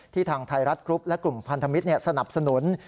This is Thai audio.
ทางไทยรัฐกรุ๊ปและกลุ่มพันธมิตรสนับสนุน